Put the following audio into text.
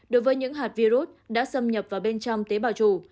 đối với những hạt virus đã xâm nhập vào bên trong tế bào chủ